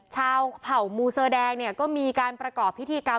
เผ่ามูเซอร์แดงเนี่ยก็มีการประกอบพิธีกรรม